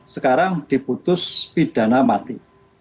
sekarang diputus pidana mati